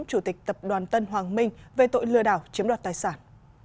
chủ tịch tập đoàn tân hoàng minh về tội lừa đảo chiếm đoạt tài sản